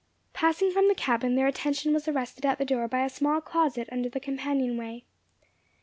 Passing from the cabin, their attention was arrested at the door by a small closet under the companion way.